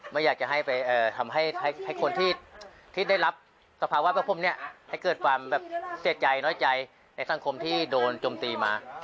ไม่อยากจะให้ไปทำให้คนที่ได้รับสภาวะพวกผมเนี่ยให้เกิดความแบบเสียใจน้อยใจในสังคมที่โดนจมตีมา